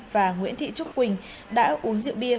và nguyễn thị trúc quỳnh đã uống rượu bia